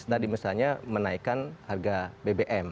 tadi misalnya menaikkan harga bbm